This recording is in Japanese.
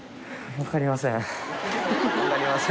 わかりません。